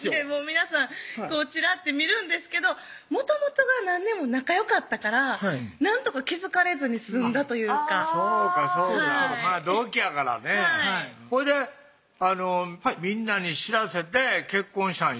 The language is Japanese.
皆さんちらって見るんですけどもともとが何年も仲よかったからなんとか気付かれずに済んだというかそうかそうか同期やからねはいほいでみんなに知らせて結婚したんいつやの？